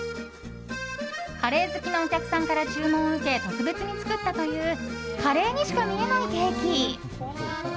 カレー好きのお客さんから注文を受け特別に作ったというカレーにしか見えないケーキ。